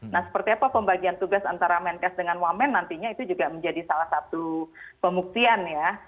nah seperti apa pembagian tugas antara menkes dengan wamen nantinya itu juga menjadi salah satu pembuktian ya